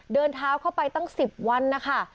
เดินเท้าเข้าไปตั้ง๑๐วันนะคะ